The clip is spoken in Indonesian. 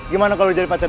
gimana kalo jadi pacar lu